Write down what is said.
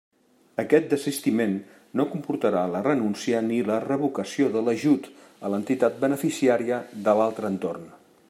Aquest desistiment no comportarà la renúncia ni la revocació de l'ajut a l'entitat beneficiària de l'altre entorn.